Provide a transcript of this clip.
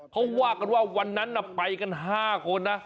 เขาว่ากันว่าวันนั้นไปกัน๕คนนะ